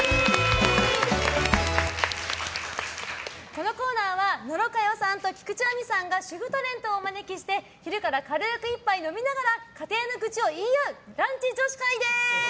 このコーナーは野呂佳代さんと菊地亜美さんが主婦タレントをお招きして昼から軽く１杯飲みながら家庭の愚痴を言い合うランチ女子会です。